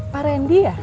pak rendy ya